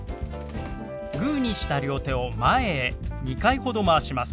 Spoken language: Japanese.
グーにした両手を前へ２回ほどまわします。